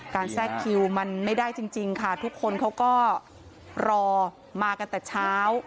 แทรกคิวมันไม่ได้จริงค่ะทุกคนเขาก็รอมากันแต่เช้า